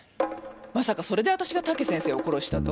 まさかそれで私が武先生を殺したと？